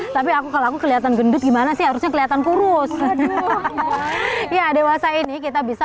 tapi aku kalau aku kelihatan gendut gimana sih harusnya kelihatan kurus aduh ya dewasa ini kita bisa